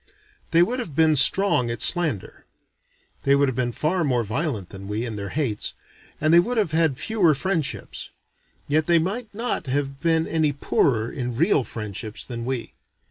They would have been strong at slander. They would have been far more violent than we, in their hates, and they would have had fewer friendships. Yet they might not have been any poorer in real friendships than we.